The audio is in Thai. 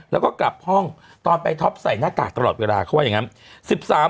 แล้วก็กลับห้องตอนไปท็อปใส่หน้ากากตลอดเวลาเขาว่าอย่างนั้น